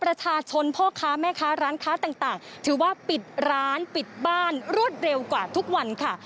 ประชาชนพ่อค้าแม่ค้าร้านค้าต่างถือว่าปิดร้านปิดบ้านรวดเร็วกว่าทุกวันค่ะ